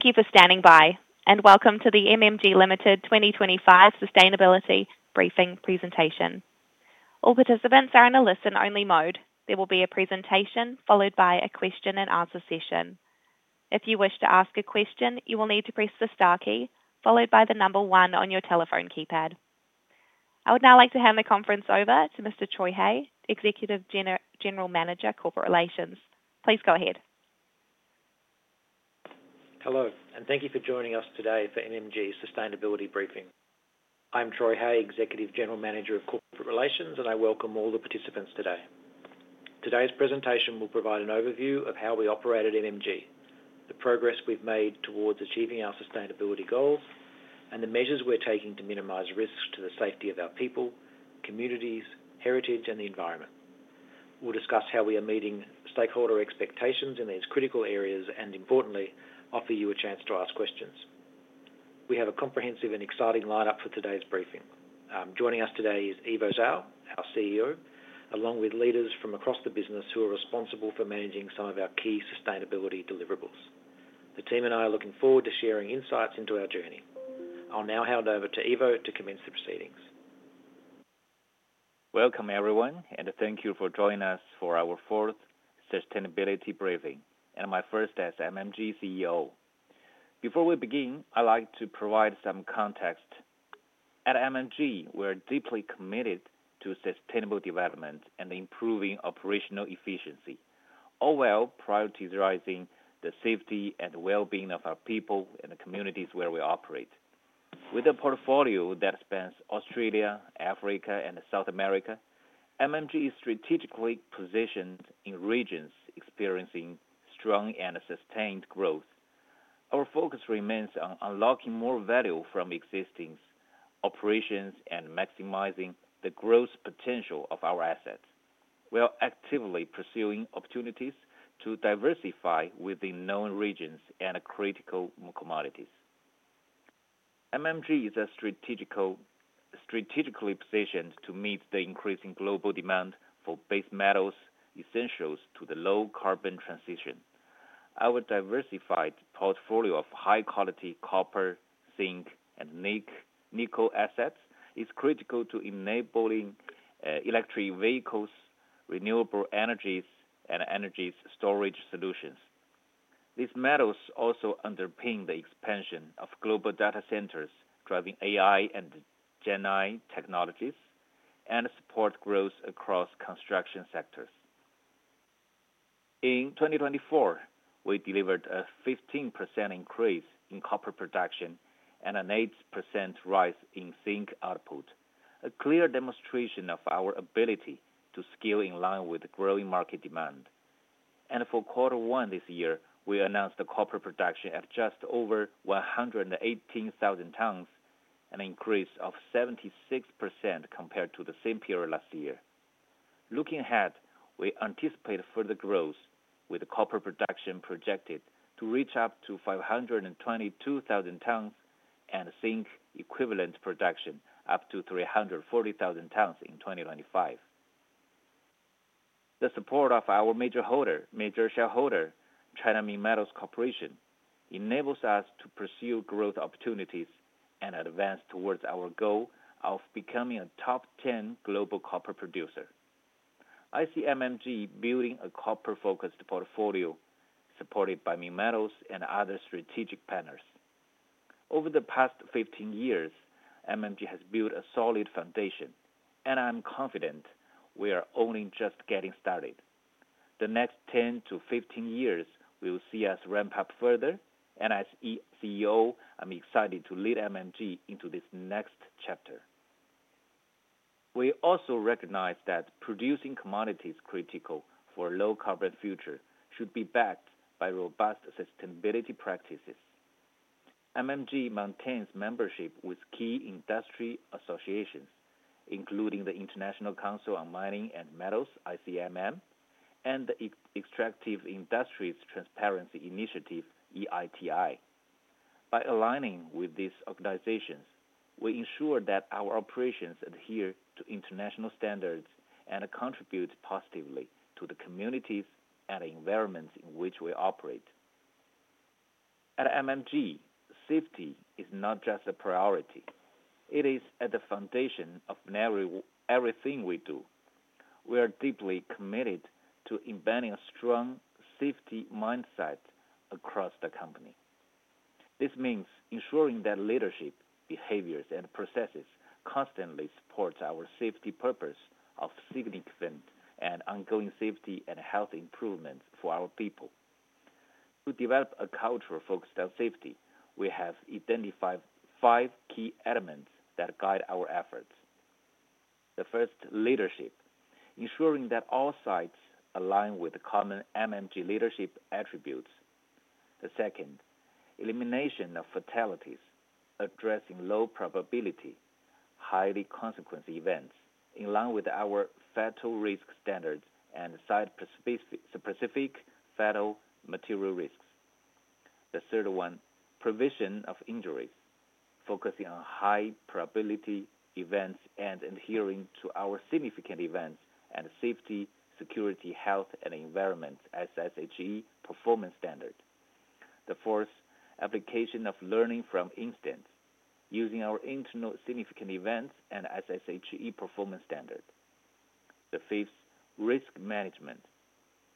Keep us standing by, and welcome to the MMG Limited 2025 Sustainability Briefing Presentation. All participants are in a listen-only mode. There will be a presentation followed by a question-and-answer session. If you wish to ask a question, you will need to press the star key followed by the number one on your telephone keypad. I would now like to hand the conference over to Mr. Troy Hay, Executive General Manager, Corporate Relations. Please go ahead. Hello, and thank you for joining us today for MMG Sustainability Briefing. I'm Troy Hay, Executive General Manager of Corporate Relations, and I welcome all the participants today. Today's presentation will provide an overview of how we operate at MMG, the progress we've made towards achieving our sustainability goals, and the measures we're taking to minimize risks to the safety of our people, communities, heritage, and the environment. We'll discuss how we are meeting stakeholder expectations in these critical areas and, importantly, offer you a chance to ask questions. We have a comprehensive and exciting lineup for today's briefing. Joining us today is Ivo Zhao, our CEO, along with Leaders from across the business who are responsible for managing some of our key sustainability deliverables. The team and I are looking forward to sharing insights into our journey. I'll now hand over to Ivo to commence the proceedings. Welcome, everyone, and thank you for joining us for our fourth Sustainability Briefing, and my first as MMG CEO. Before we begin, I'd like to provide some context. At MMG, we're deeply committed to sustainable development and improving operational efficiency, all while prioritizing the safety and well-being of our people and the communities where we operate. With a portfolio that spans Australia, Africa, and South America, MMG is strategically positioned in regions experiencing strong and sustained growth. Our focus remains on unlocking more value from existing operations and maximizing the growth potential of our assets, while actively pursuing opportunities to diversify within known regions and critical commodities. MMG is strategically positioned to meet the increasing global demand for base metals essential to the low-carbon transition. Our diversified portfolio of high-quality Copper, Zinc, and nickel assets is critical to enabling electric vehicles, renewable energies, and energy storage solutions. These metals also underpin the expansion of global data centers, driving AI and GenAI technologies and support growth across construction sectors. In 2024, we delivered a 15% increase in Copper production and an 8% rise in Zinc output, a clear demonstration of our ability to scale in line with growing market demand. For quarter one this year, we announced a Copper production of just over 118,000 tons, an increase of 76% compared to the same period last year. Looking ahead, we anticipate further growth with Copper production projected to reach up to 522,000 tons and Zinc-equivalent production up to 340,000 tons in 2025. The support of our major shareholder, China Minmetals Corporation, enables us to pursue growth opportunities and advance towards our goal of becoming a top-10 global Copper producer. I see MMG building a Copper-focused portfolio supported by Minmetals and other strategic partners. Over the past 15 years, MMG has built a solid foundation, and I'm confident we are only just getting started. The next 10 to 15 years will see us ramp up further, and as CEO, I'm excited to Lead MMG into this next chapter. We also recognize that producing commodities critical for a low-carbon future should be backed by robust sustainability practices. MMG maintains membership with key industry associations, including the International Council on Mining and Metals (ICMM) and the Extractive Industries Transparency Initiative (EITI). By aligning with these organizations, we ensure that our operations adhere to international standards and contribute positively to the communities and environments in which we operate. At MMG, safety is not just a priority. It is at the foundation of everything we do. We are deeply committed to embedding a strong safety mindset across the company. This means ensuring that Leadership, behaviors, and processes constantly support our safety purpose of significant and ongoing safety and health improvements for our people. To develop a culture focused on safety, we have identified five key elements that guide our efforts. The first, Leadership, ensuring that all sites align with common MMG Leadership attributes. The second, elimination of fatalities, addressing low probability, highly consequent events in line with our Fatal risk standards and site-specific fatal material risks. The third one, prevention of injuries, focusing on high probability events and adhering to our significant events and safety, security, health, and environment SSHE performance standards. The fourth, application of learning from incidents, using our internal significant events and SSHE performance standards. The fifth, risk management,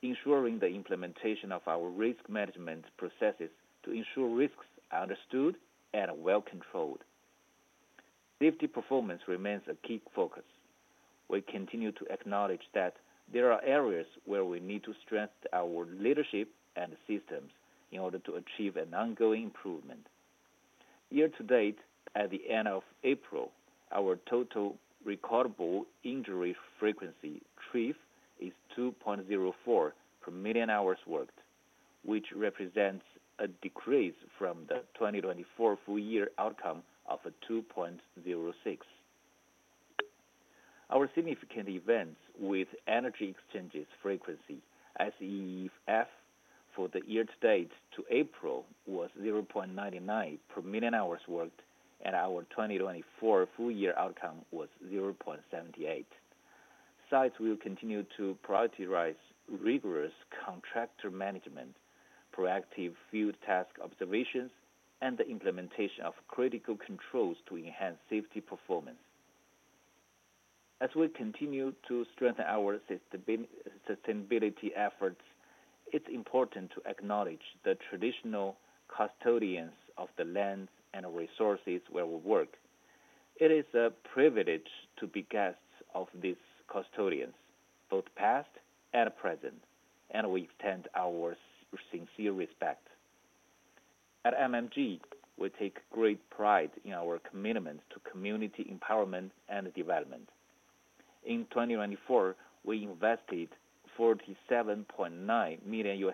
ensuring the implementation of our risk management processes to ensure risks are understood and well controlled. Safety performance remains a key focus. We continue to acknowledge that there are areas where we need to strengthen our Leadership and systems in order to achieve an ongoing improvement. Year-to-date, at the end of April, our Total recordable injury frequency rate is 2.04 per million hours worked, which represents a decrease from the 2024 full-year outcome of 2.06. Our significant events with energy exchange frequency SEEF for the year-to-date to April was 0.99 per million hours worked, and our 2024 full-year outcome was 0.78. Sites will continue to prioritize rigorous contractor management, proactive field task observations, and the implementation of critical controls to enhance safety performance. As we continue to strengthen our sustainability efforts, it's important to acknowledge the traditional custodians of the lands and resources where we work. It is a privilege to be guests of these custodians, both past and present, and we extend our sincere respect. At MMG, we take great pride in our commitment to community empowerment and development. In 2024, we invested $47.9 million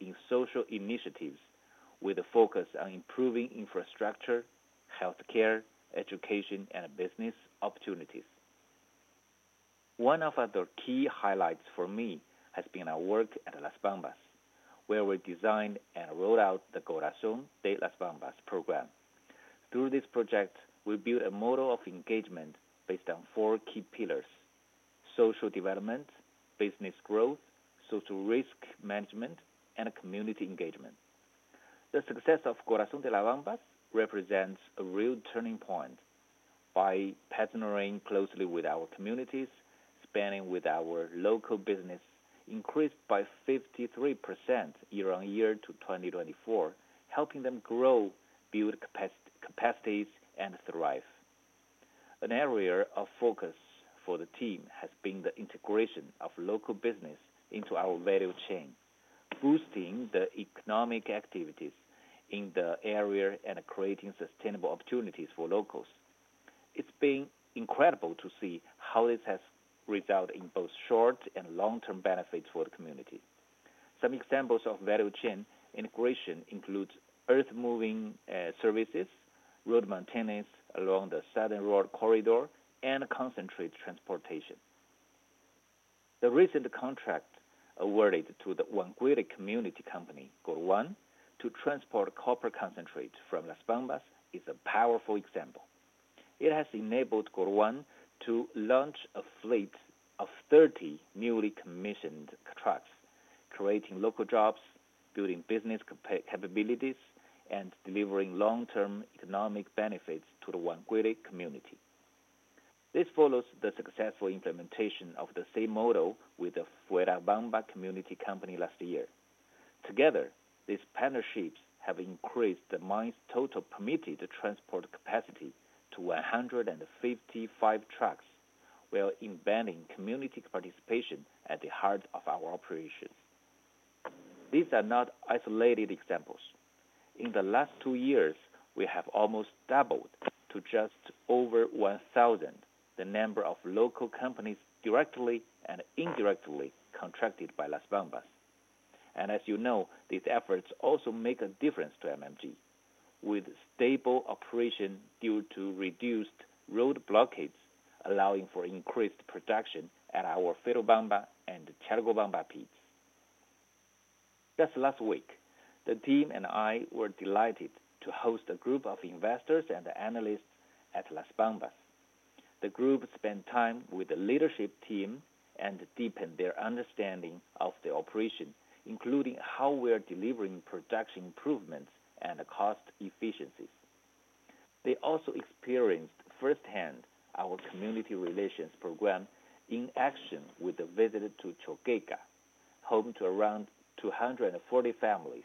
in social initiatives with a focus on improving infrastructure, healthcare, education, and business opportunities. One of the key highlights for me has been our work at Las Bambas, where we designed and rolled out the Corazon de Las Bambas program. Through this project, we built a model of engagement based on four key pillars: social development, business growth, social risk management, and community engagement. The success of Corazon de Las Bambas represents a real turning point by partnering closely with our communities, spanning with our local business, increased by 53% year-on-year to 2024, helping them grow, build capacities, and thrive. An area of focus for the team has been the integration of local business into our value chain, boosting the economic activities in the area and creating sustainable opportunities for locals. It's been incredible to see how this has resulted in both short and long-term benefits for the community. Some examples of value chain integration include earth-moving services, road maintenance along the Southern Road Corridor, and concentrate transportation. The recent contract awarded to the Huancuire Community Company, GORUAN, to transport Copper concentrates from Las Bambas is a powerful example. It has enabled GORUAN to launch a fleet of 30 newly commissioned trucks, creating local jobs, building business capabilities, and delivering long-term economic benefits to the Huancuire community. This follows the successful implementation of the same model with the Ferrobamba Community Company last year. Together, these partnerships have increased the mines' total permitted transport capacity to 155 trucks, while embedding community participation at the heart of our operations. These are not isolated examples. In the last two years, we have almost doubled to just over 1,000, the number of local companies directly and indirectly contracted by Las Bambas. As you know, these efforts also make a difference to MMG, with stable operation due to reduced road blockades allowing for increased production at our Ferrobamba and Chalcobamba peaks. Just last week, the team and I were delighted to host a group of investors and analysts at Las Bambas. The group spent time with the Leadership team and deepened their understanding of the operation, including how we are delivering production improvements and cost efficiencies. They also experienced firsthand our community relations program in action with a visit to Choqueca, home to around 240 families.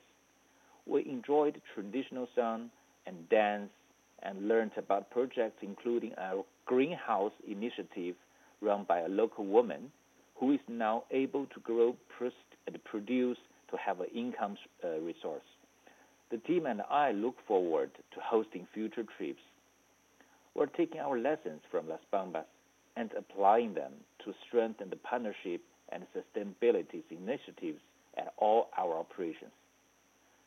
We enjoyed traditional song and dance and learned about projects, including our Greenhouse initiative run by a local woman who is now able to grow and produce to have an income resource. The team and I look forward to hosting future trips. We are taking our lessons from Las Bambas and applying them to strengthen the partnership and sustainability initiatives at all our operations.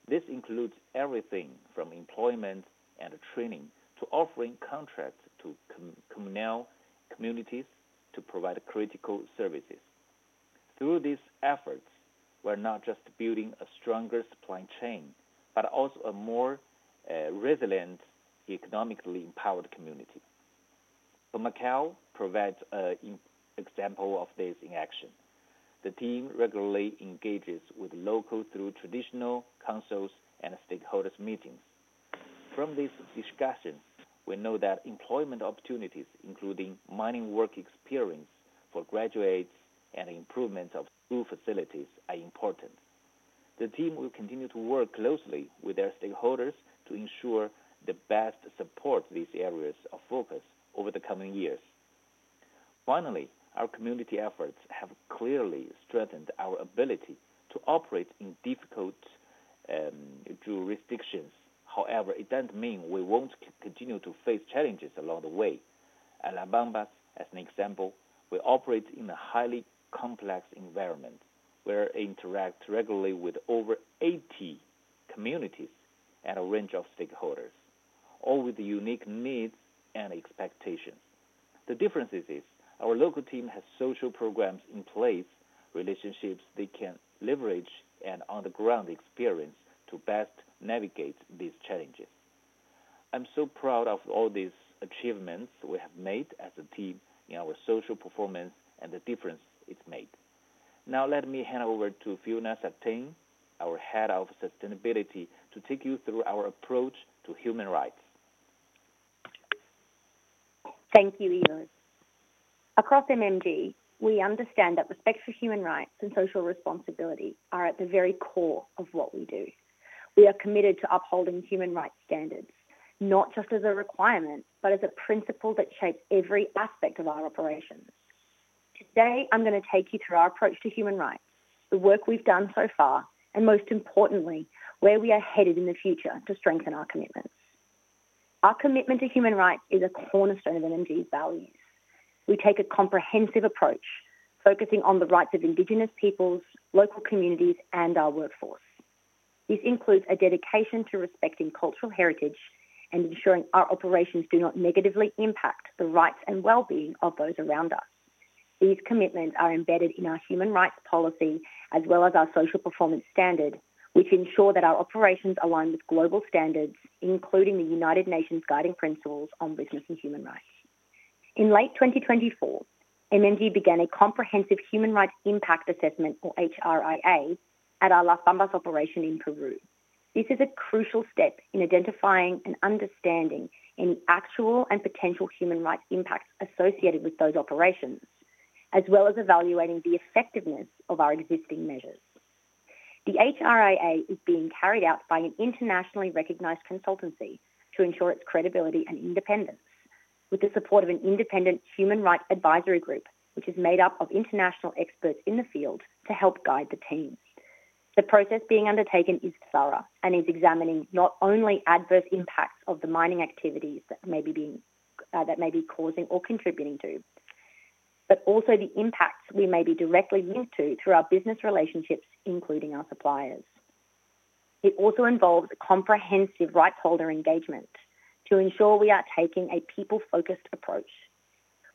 This includes everything from employment and training to offering contracts to communal communities to provide critical services. Through these efforts, we are not just building a stronger supply chain, but also a more resilient, economically empowered community. PROMACAL provides an example of this in action. The team regularly engages with locals through traditional councils and stakeholders' meetings. From these discussions, we know that employment opportunities, including mining work experience for graduates and improvement of school facilities, are important. The team will continue to work closely with their stakeholders to ensure the best support these areas of focus over the coming years. Finally, our community efforts have clearly strengthened our ability to operate in difficult jurisdictions. However, it doesn't mean we won't continue to face challenges along the way. At Las Bambas, as an example, we operate in a highly complex environment. We interact regularly with over 80 communities and a range of stakeholders, all with unique needs and expectations. The difference is our local team has social programs in place, relationships they can leverage, and on-the-ground experience to best navigate these challenges. I'm so proud of all these achievements we have made as a team in our social performance and the difference it's made. Now, let me hand over to Fiona Sartain, our Head of Sustainability, to take you through our approach to human rights. Thank you, Ivo.Across MMG, we understand that respect for human rights and social responsibility are at the very core of what we do. We are committed to upholding human rights standards, not just as a requirement, but as a principle that shapes every aspect of our operations. Today, I'm going to take you through our approach to human rights, the work we've done so far, and most importantly, where we are headed in the future to strengthen our commitments. Our commitment to human rights is a cornerstone of MMG's values. We take a comprehensive approach, focusing on the rights of indigenous peoples, local communities, and our workforce. This includes a dedication to respecting cultural heritage and ensuring our operations do not negatively impact the rights and well-being of those around us. These commitments are embedded in our human rights policy as well as our Social performance standard, which ensure that our operations align with global standards, including the United Nations' guiding principles on business and human rights. In late 2024, MMG began a comprehensive human rights impact assessment, or HRIA, at our Las Bambas operation in Peru. This is a crucial step in identifying and understanding any actual and potential human rights impacts associated with those operations, as well as evaluating the effectiveness of our existing measures. The HRIA is being carried out by an internationally recognized consultancy to ensure its credibility and independence, with the support of an independent human rights advisory group, which is made up of international experts in the field to help guide the team. The process being undertaken is thorough and is examining not only adverse impacts of the mining activities that may be causing or contributing to, but also the impacts we may be directly linked to through our business relationships, including our suppliers. It also involves comprehensive rights holder engagement to ensure we are taking a people-focused approach.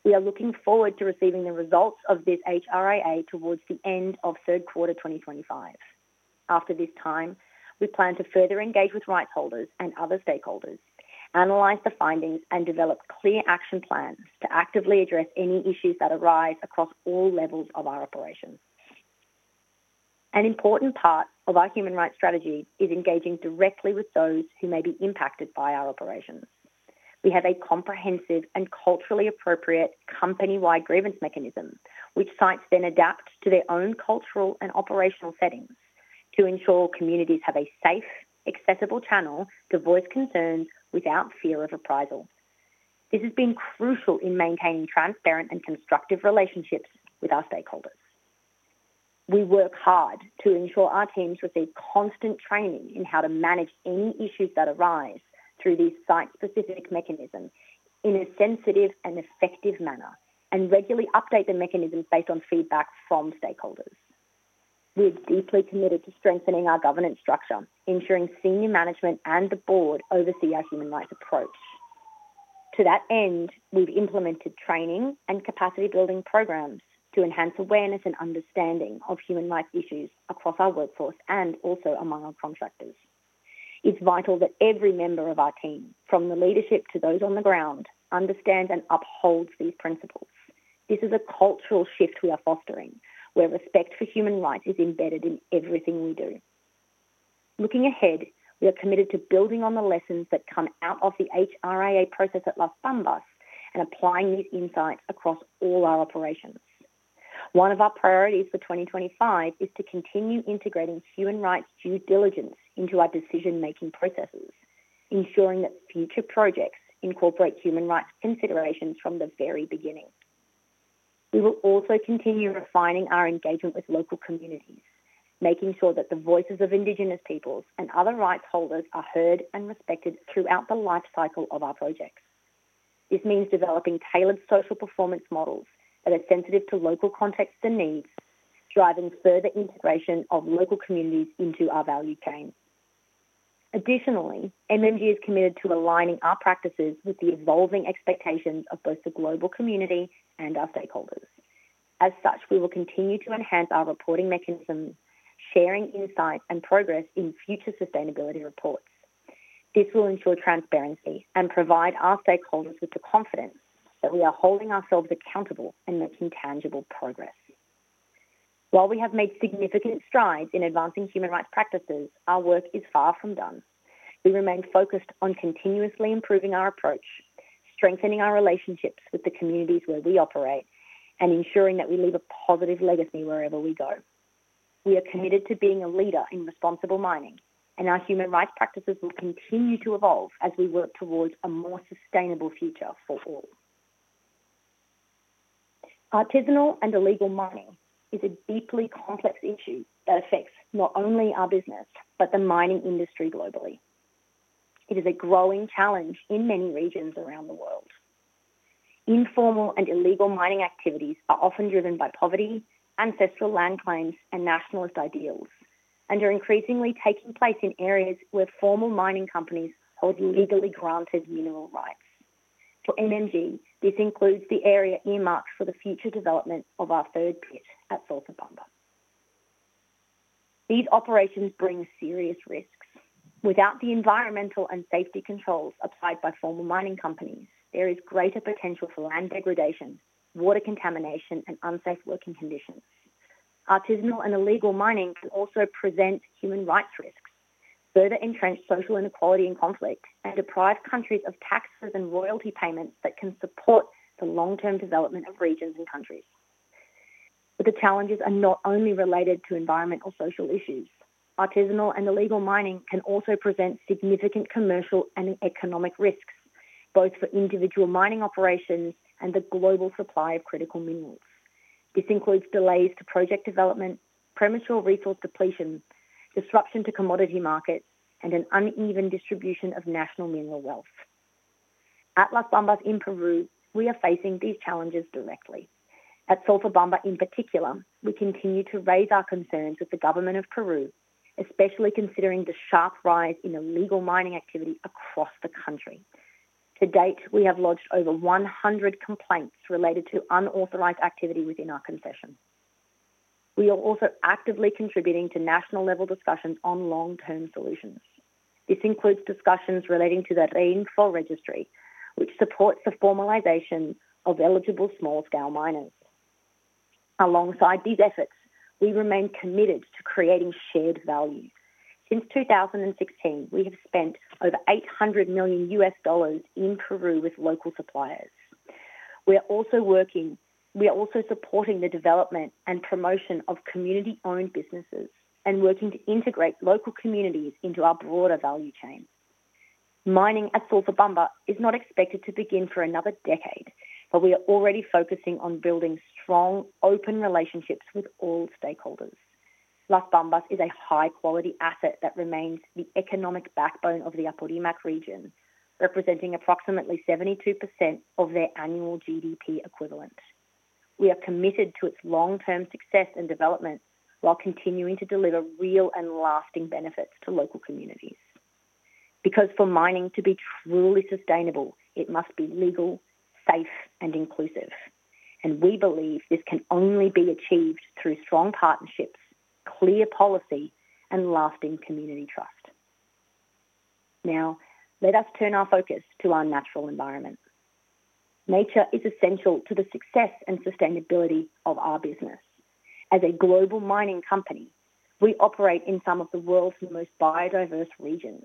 We are looking forward to receiving the results of this HRIA towards the end of third quarter 2025. After this time, we plan to further engage with rights holders and other stakeholders, analyze the findings, and develop clear action plans to actively address any issues that arise across all levels of our operations. An important part of our human rights strategy is engaging directly with those who may be impacted by our operations. We have a comprehensive and culturally appropriate company-wide Grievance mechanism, which sites then adapt to their own cultural and operational settings to ensure communities have a safe, accessible channel to voice concerns without fear of reprisal. This has been crucial in maintaining transparent and constructive relationships with our stakeholders. We work hard to ensure our teams receive constant training in how to manage any issues that arise through these site-specific mechanisms in a sensitive and effective manner and regularly update the mechanisms based on feedback from stakeholders. We are deeply committed to strengthening our governance structure, ensuring senior management and the board oversee our human rights approach. To that end, we've implemented training and capacity-building programs to enhance awareness and understanding of human rights issues across our workforce and also among our contractors.It's vital that every member of our team, from the Leadership to those on the ground, understands and upholds these principles. This is a cultural shift we are fostering, where respect for human rights is embedded in everything we do. Looking ahead, we are committed to building on the lessons that come out of the HRIA process at Las Bambas and applying these insights across all our operations. One of our priorities for 2025 is to continue integrating human rights due diligence into our decision-making processes, ensuring that future projects incorporate human rights considerations from the very beginning. We will also continue refining our engagement with local communities, making sure that the voices of indigenous peoples and other rights holders are heard and respected throughout the lifecycle of our projects. This means developing tailored social performance models that are sensitive to local contexts and needs, driving further integration of local communities into our value chain. Additionally, MMG is committed to aligning our practices with the evolving expectations of both the global community and our stakeholders. As such, we will continue to enhance our reporting mechanism, sharing insights and progress in future sustainability reports. This will ensure transparency and provide our stakeholders with the confidence that we are holding ourselves accountable and making tangible progress. While we have made significant strides in advancing human rights practices, our work is far from done. We remain focused on continuously improving our approach, strengthening our relationships with the communities where we operate, and ensuring that we leave a positive legacy wherever we go. We are committed to being a Leader in responsible mining, and our human rights practices will continue to evolve as we work towards a more sustainable future for all. Artisanal and illegal mining is a deeply complex issue that affects not only our business but the mining industry globally. It is a growing challenge in many regions around the world. Informal and illegal mining activities are often driven by poverty, ancestral land claims, and nationalist ideals, and are increasingly taking place in areas where formal mining companies hold legally granted mineral rights. For MMG, this includes the area earmarked for the future development of our third pit at Sulfobamba. These operations bring serious risks. Without the environmental and safety controls applied by formal mining companies, there is greater potential for land degradation, water contamination, and unsafe working conditions. Artisanal and illegal mining can also present human rights risks, further entrench social inequality and conflict, and deprive countries of taxes and royalty payments that can support the long-term development of regions and countries. The challenges are not only related to environmental social issues. Artisanal and illegal mining can also present significant commercial and economic risks, both for individual mining operations and the global supply of critical minerals. This includes delays to project development, premature resource depletion, disruption to commodity markets, and an uneven distribution of national mineral wealth. At Las Bambas in Peru, we are facing these challenges directly. At Ferrobamba, in particular, we continue to raise our concerns with the government of Peru, especially considering the sharp rise in illegal mining activity across the country. To date, we have lodged over 100 complaints related to unauthorized activity within our concession. We are also actively contributing to national-level discussions on long-term solutions. This includes discussions relating to the Rainfall Registry, which supports the formalization of eligible small-scale miners. Alongside these efforts, we remain committed to creating shared value. Since 2016, we have spent over $800 million in Peru with local suppliers. We are also supporting the development and promotion of community-owned businesses and working to integrate local communities into our broader value chain. Mining at Sulfobamba is not expected to begin for another decade, but we are already focusing on building strong, open relationships with all stakeholders. Las Bambas is a high-quality asset that remains the economic backbone of the Apurimac region, representing approximately 72% of their annual GDP equivalent. We are committed to its long-term success and development while continuing to deliver real and lasting benefits to local communities. Because for mining to be truly sustainable, it must be legal, safe, and inclusive. We believe this can only be achieved through strong partnerships, clear policy, and lasting community trust. Now, let us turn our focus to our natural environment. Nature is essential to the success and sustainability of our business. As a global mining company, we operate in some of the world's most biodiverse regions.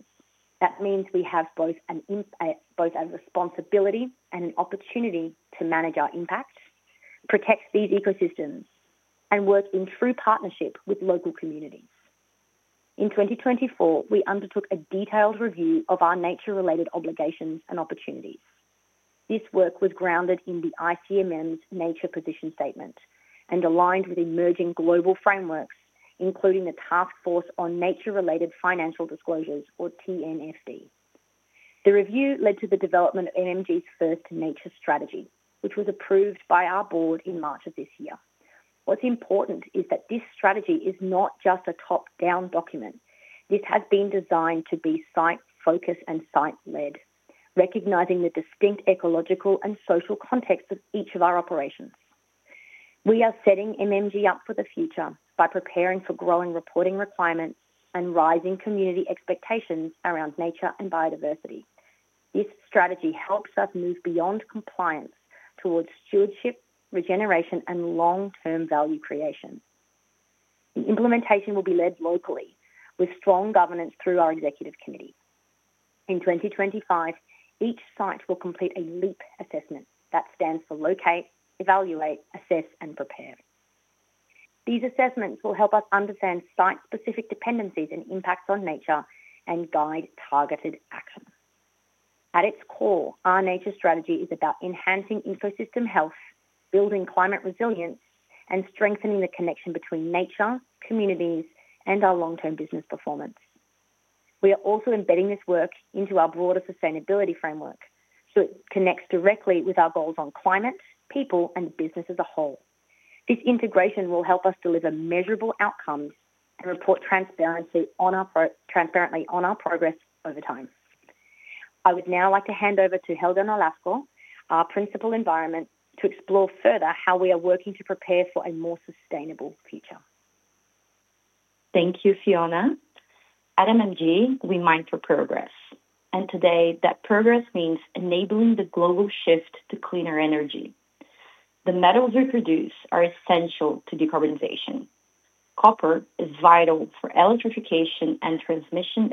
That means we have both a responsibility and an opportunity to manage our impact, protect these ecosystems, and work in true partnership with local communities. In 2024, we undertook a detailed review of our nature-related obligations and opportunities. This work was grounded in the ICMM's Nature Position Statement and aligned with emerging global frameworks, including the Task Force on Nature-related Financial Disclosures, or TNFD.The review led to the development of MMG's first nature strategy, which was approved by our board in March of this year. What's important is that this strategy is not just a top-down document. This has been designed to be site-focused and site-led, recognizing the distinct ecological and social context of each of our operations. We are setting MMG up for the future by preparing for growing reporting requirements and rising community expectations around nature and biodiversity. This strategy helps us move beyond compliance towards stewardship, regeneration, and long-term value creation. The implementation will be led locally with strong governance through our executive committee. In 2025, each site will complete a LEAP assessment. That stands for Locate, Evaluate, Assess, and Prepare. These assessments will help us understand site-specific dependencies and impacts on nature and guide targeted action. At its core, our nature strategy is about enhancing ecosystem health, building climate resilience, and strengthening the connection between nature, communities, and our long-term business performance. We are also embedding this work into our broader sustainability framework, so it connects directly with our goals on climate, people, and business as a whole. This integration will help us deliver measurable outcomes and report transparently on our progress over time. I would now like to hand over to Helga Nolasco, our Principal Environment Advisor, to explore further how we are working to prepare for a more sustainable future. Thank you, Fiona. At MMG, we mine for progress. Today, that progress means enabling the global shift to cleaner energy. The metals we produce are essential to decarbonization. Copper is vital for electrification and transmission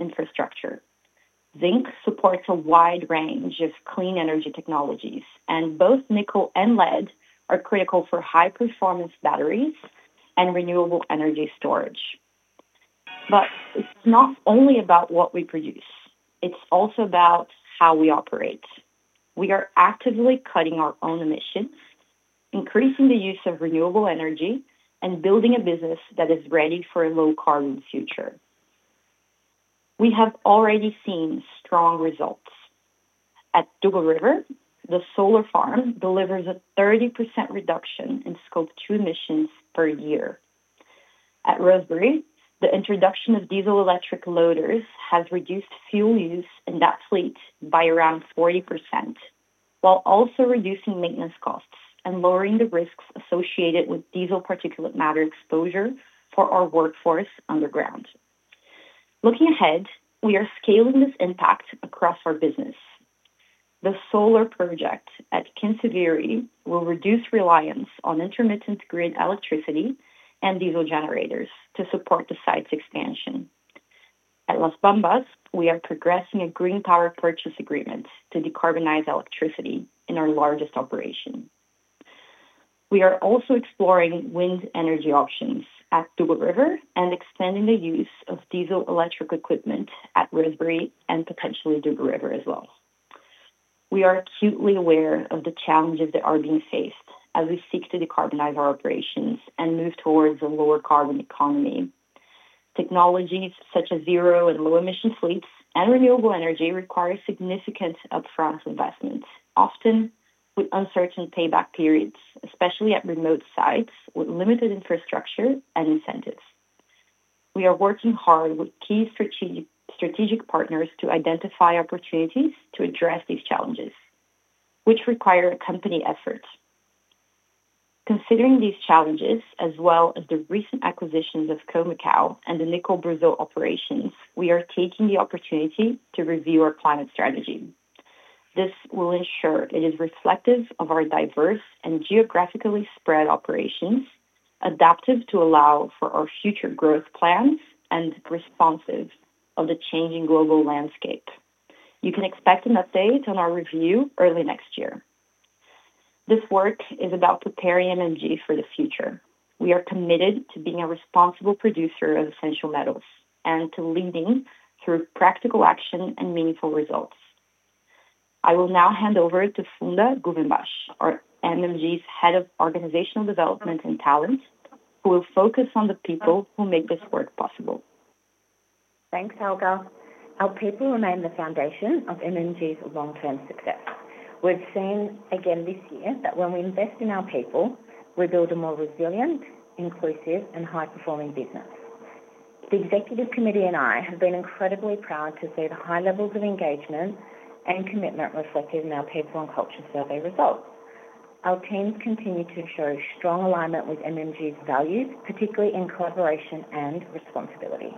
infrastructure. Zinc supports a wide range of clean energy technologies, and both nickel and Lead are critical for high-performance batteries and renewable energy storage. It is not only about what we produce. It is also about how we operate. We are actively cutting our own emissions, increasing the use of renewable energy, and building a business that is ready for a low-carbon future. We have already seen strong results. At Dugald River, the Solar farm delivers a 30% reduction in Scope 2 emissions per year. At Rosebery, the introduction of Diesel electric loaders has reduced fuel use in that fleet by around 40%, while also reducing maintenance costs and lowering the risks associated with diesel particulate matter exposure for our workforce underground. Looking ahead, we are scaling this impact across our business. The solar project at Kinssevere will reduce reliance on intermittent grid electricity and diesel generators to support the site's expansion.At Las Bambas, we are progressing a Green power purchase agreement to decarbonize electricity in our largest operation. We are also exploring wind energy options at Dugald River and extending the use of diesel electric equipment at Rosebery and potentially Dugald River as well. We are acutely aware of the challenges that are being faced as we seek to decarbonize our operations and move towards a lower carbon economy. Technologies such as zero and low-emission fleets and renewable energy require significant upfront investments, often with uncertain payback periods, especially at remote sites with limited infrastructure and incentives. We are working hard with key strategic partners to identify opportunities to address these challenges, which require company efforts. Considering these challenges, as well as the recent acquisitions of Khoemacau and the Nickel Brasil operations, we are taking the opportunity to review our climate strategy. This will ensure it is reflective of our diverse and geographically spread operations, adaptive to allow for our future growth plans, and responsive to the changing global landscape. You can expect an update on our review early next year. This work is about preparing MMG for the future. We are committed to being a responsible producer of essential metals and to Leading through practical action and meaningful results. I will now hand over to Funda Guvenbas, our Head of Organizational Development and Talent, who will focus on the people who make this work possible. Thanks, Helga. Our people remain the foundation of MMG's long-term success. We've seen again this year that when we invest in our people, we build a more resilient, inclusive, and high-performing business. The executive committee and I have been incredibly proud to see the high levels of engagement and commitment reflected in our people and culture survey results. Our teams continue to show strong alignment with MMG's values, particularly in collaboration and responsibility.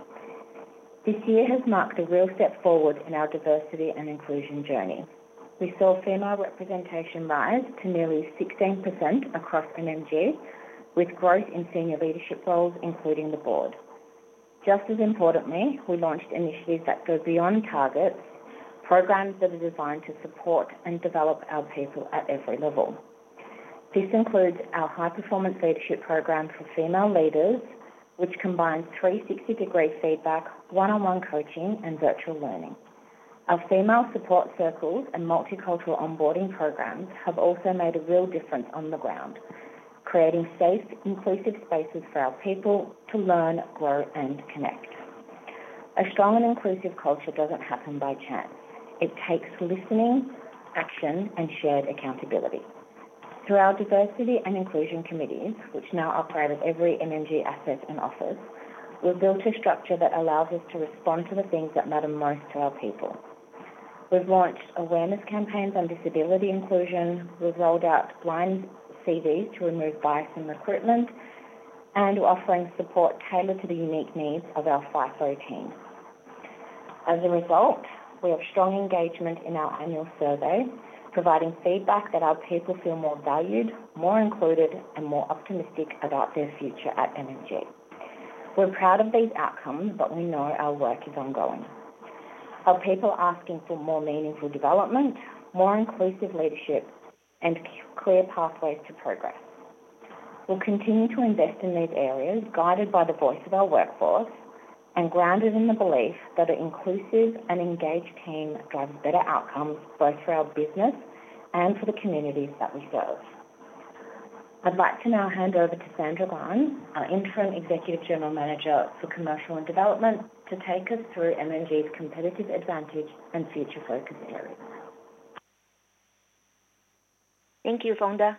This year has marked a real step forward in our diversity and inclusion journey. We saw female representation rise to nearly 16% across MMG, with growth in senior Leadership roles, including the board. Just as importantly, we launched initiatives that go beyond targets, programs that are designed to support and develop our people at every level. This includes our high-performance Leadership program for female Leaders, which combines 360-degree feedback, one-on-one coaching, and virtual learning. Our female support circles and multicultural onboarding programs have also made a real difference on the ground, creating safe, inclusive spaces for our people to learn, grow, and connect.A strong and inclusive culture does not happen by chance. It takes listening, action, and shared accountability. Through our diversity and inclusion committees, which now operate with every MMG asset and office, we have built a structure that allows us to respond to the things that matter most to our people. We have launched awareness campaigns on disability inclusion. We have rolled out blind CVs to remove bias in recruitment and offering support tailored to the unique needs of our FIFO team. As a result, we have strong engagement in our annual survey, providing feedback that our people feel more valued, more included, and more optimistic about their future at MMG. We are proud of these outcomes, but we know our work is ongoing. Our people are asking for more meaningful development, more inclusive Leadership, and clear pathways to progress. We'll continue to invest in these areas, guided by the voice of our workforce and grounded in the belief that an inclusive and engaged team drives better outcomes both for our business and for the communities that we serve. I'd like to now hand over to Sandra Guan, our Interim Executive General Manager for Commercial and Development, to take us through MMG's competitive advantage and future-focused areas. Thank you, Funda.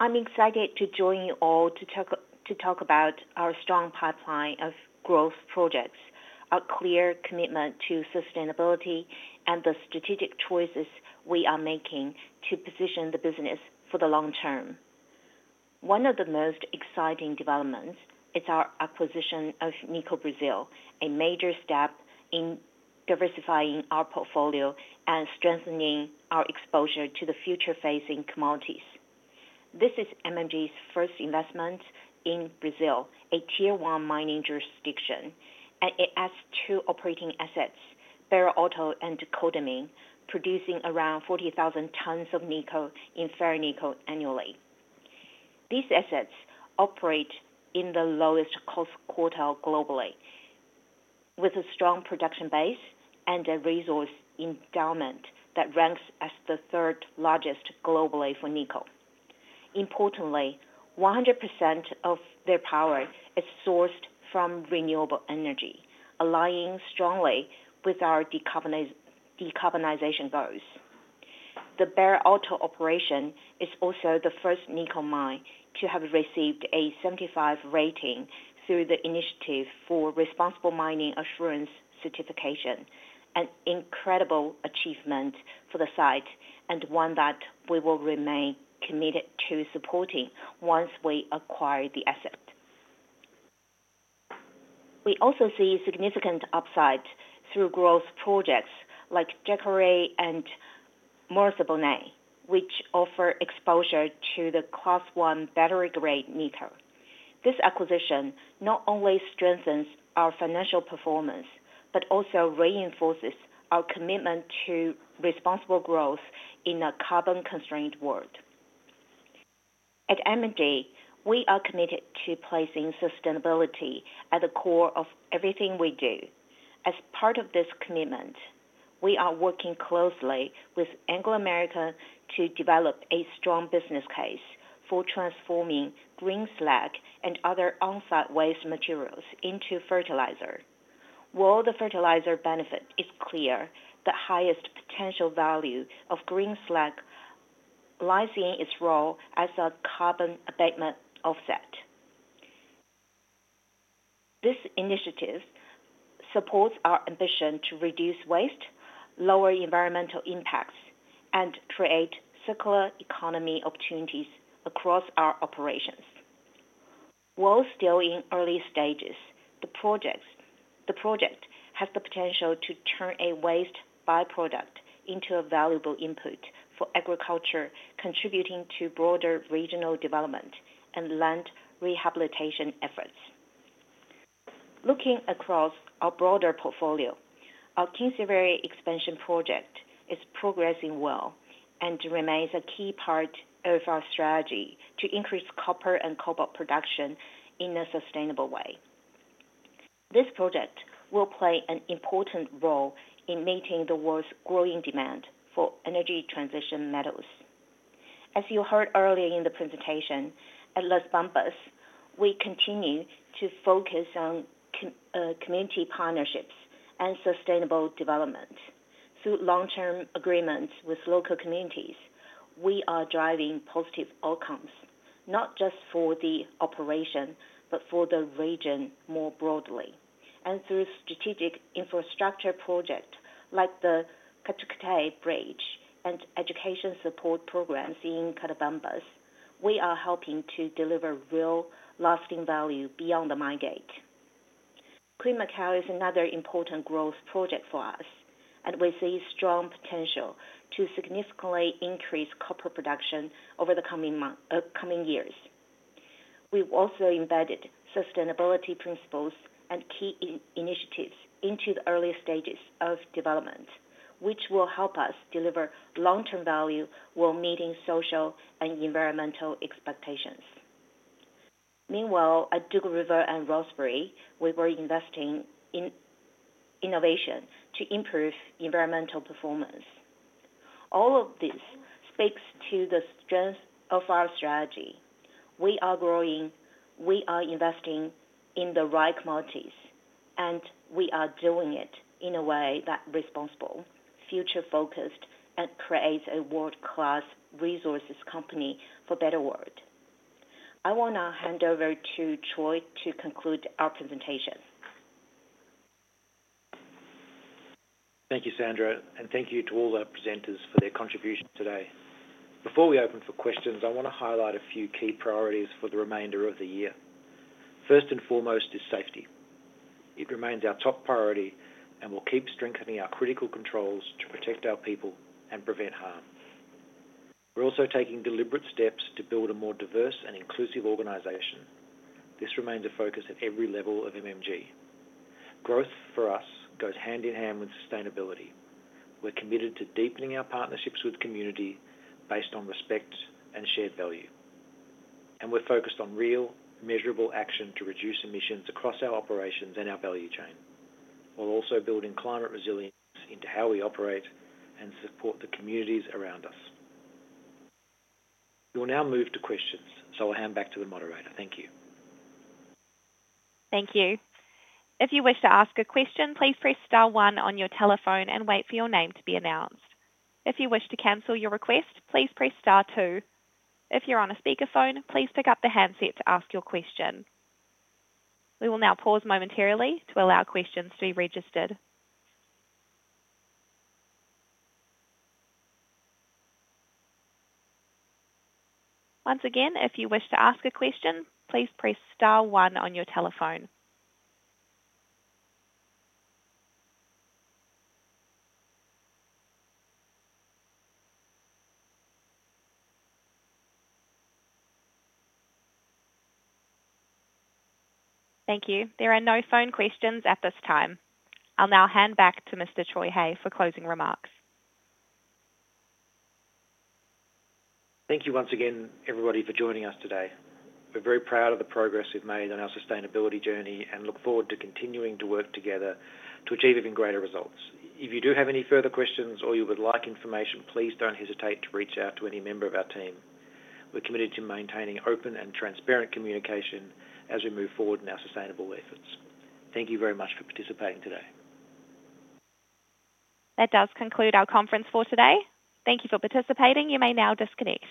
I'm excited to join you all to talk about our strong pipeline of growth projects, our clear commitment to sustainability, and the strategic choices we are making to position the business for the long term. One of the most exciting developments is our acquisition of Nickel Brasil, a major step in diversifying our portfolio and strengthening our exposure to the future-facing commodities. This is MMG's first investment in Brazil, a tier-one mining jurisdiction, and it has two operating assets, Barra Alto and Codamin, producing around 40,000 tons of nickel in fair nickel annually. These assets operate in the lowest cost quartile globally, with a strong production base and a resource endowment that ranks as the third largest globally for nickel. Importantly, 100% of their power is sourced from renewable energy, aligning strongly with our decarbonization goals. The Barra Alto operation is also the first nickel mine to have received a 75 rating through the Initiative for Responsible Mining Assurance certification, an incredible achievement for the site and one that we will remain committed to supporting once we acquire the asset. We also see significant upside through growth projects like Jacare and Morro Sem Boné, which offer exposure to the Class 1 battery-grade nickel. This acquisition not only strengthens our financial performance but also reinforces our commitment to responsible growth in a carbon-constrained world. At MMG, we are committed to placing sustainability at the core of everything we do. As part of this commitment, we are working closely with Anglo American to develop a strong business case for transforming Green slag and other on-site waste materials into Fertilizer. While the Fertilizer benefit is clear, the highest potential value of Green slag lies in its role as a carbon abatement offset. This initiative supports our ambition to reduce waste, lower environmental impacts, and create circular economy opportunities across our operations. While still in early stages, the project has the potential to turn a waste byproduct into a valuable input for agriculture, contributing to broader regional development and land rehabilitation efforts. Looking across our broader portfolio, our Kinssevere expansion project is progressing well and remains a key part of our strategy to increase Copper and cobalt production in a sustainable way. This project will play an important role in meeting the world's growing demand for energy transition metals. As you heard earlier in the presentation, at Las Bambas, we continue to focus on community partnerships and sustainable development. Through long-term agreements with local communities, we are driving positive outcomes, not just for the operation but for the region more broadly. Through strategic infrastructure projects like the Kutuctay Bridge and education support programs in Cotabambas, we are helping to deliver real lasting value beyond the mine gate. Climaxal is another important growth project for us, and we see strong potential to significantly increase Copper production over the coming years. We've also embedded sustainability principles and key initiatives into the early stages of development, which will help us deliver long-term value while meeting social and environmental expectations. Meanwhile, at Dugald River and Rosebery, we were investing in innovation to improve environmental performance. All of this speaks to the strength of our strategy. We are growing. We are investing in the right commodities, and we are doing it in a way that is responsible, future-focused, and creates a world-class resources company for a better world. I want to hand over to Troy to conclude our presentation. Thank you, Sandra, and thank you to all our presenters for their contribution today. Before we open for questions, I want to highlight a few key priorities for the remainder of the year. First and foremost is safety.It remains our top priority and we will keep strengthening our critical controls to protect our people and prevent harm. We are also taking deliberate steps to build a more diverse and inclusive organization. This remains a focus at every level of MMG. Growth for us goes hand in hand with sustainability. We are committed to deepening our partnerships with the community based on respect and shared value. We are focused on real, measurable action to reduce emissions across our operations and our value chain, while also building climate resilience into how we operate and support the communities around us. We will now move to questions, so I will hand back to the moderator. Thank you. Thank you. If you wish to ask a question, please press star one on your telephone and wait for your name to be announced. If you wish to cancel your request, please press star two. If you're on a speakerphone, please pick up the handset to ask your question. We will now pause momentarily to allow questions to be registered. Once again, if you wish to ask a question, please press star one on your telephone. Thank you. There are no phone questions at this time. I'll now hand back to Mr. Troy Hay for closing remarks. Thank you once again, everybody, for joining us today. We're very proud of the progress we've made on our sustainability journey and look forward to continuing to work together to achieve even greater results. If you do have any further questions or you would like information, please don't hesitate to reach out to any member of our team. We're committed to maintaining open and transparent communication as we move forward in our sustainable efforts. Thank you very much for participating today. That does conclude our conference for today. Thank you for participating. You may now disconnect.